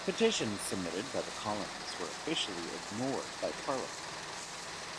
Petitions submitted by the colonies were officially ignored by Parliament.